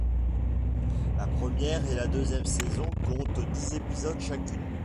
La première et la deuxième saison compte dix épisodes chacune.